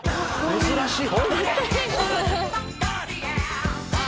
珍しい。